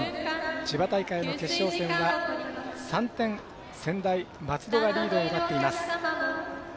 千葉大会の決勝戦は３点、専大松戸がリードを奪っています。